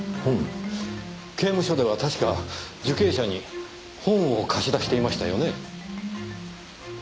刑務所では確か受刑者に本を貸し出していましたよね？